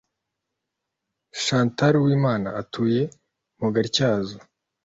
Chantal Uwimana atuye mu Gatyazo